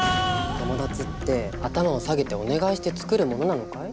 友達って頭を下げてお願いしてつくるものなのかい？